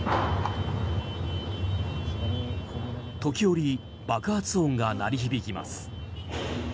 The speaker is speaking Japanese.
時折、爆発音が鳴り響きます。